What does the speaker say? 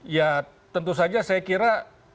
ya tentu saja saya kira